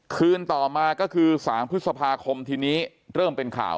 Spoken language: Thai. คืนต่อมาก็คือ๓พฤษภาคมทีนี้เริ่มเป็นข่าว